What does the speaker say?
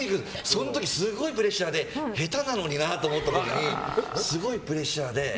その時すごいプレッシャーで下手なのになって思った時にすごいプレッシャーで。